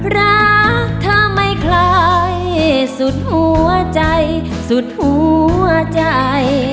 รักเธอไม่คล้ายสุดหัวใจสุดหัวใจ